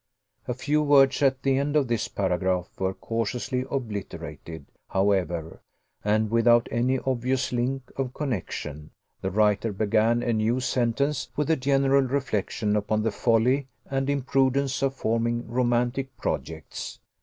A few words at the end of this paragraph were cautiously obliterated, however; and, without any obvious link of connexion, the writer began a new sentence with a general reflection upon the folly and imprudence of forming romantic projects.